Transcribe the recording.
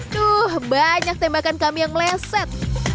tuh banyak tembakan kami yang meleset